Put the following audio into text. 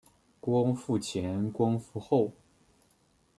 光复前光复后